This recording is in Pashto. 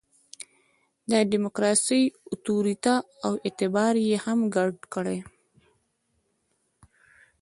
د ډیموکراسي اُتوریته او اعتبار یې هم ګډ کړي.